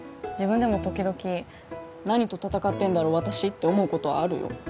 自分でも時々何と戦ってるんだろう私？って思うことはあるよ